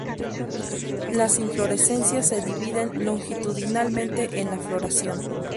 Las inflorescencias se dividen longitudinalmente en la floración.